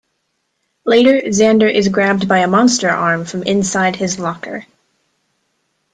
Later, Xander is grabbed by a monster arm from inside his locker.